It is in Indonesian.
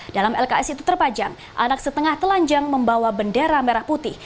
dalam lks itu terpajang anak setengah telanjang membawa bendera merah putih